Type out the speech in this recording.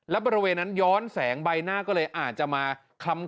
และบริเวณนั้นย้อนแสงใบหน้าก็เลยอาจจะมาคำ